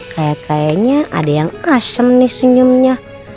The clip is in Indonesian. kayak kayaknya ada yang asem nih senyumnya